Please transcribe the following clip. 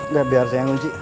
udah biar saya ngunci